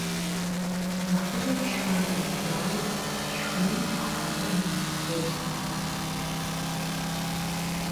Нэхъыжьым шхэн щӏимыдзауэ шхыным ухэӏэбэныр къеукӏуркъым.